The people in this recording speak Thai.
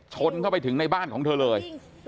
ชนเข้าไปถึงในบ้านของเธอเลย